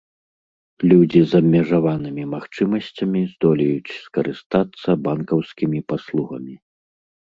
Людзі з абмежаванымі магчымасцямі здолеюць скарыстацца банкаўскімі паслугамі.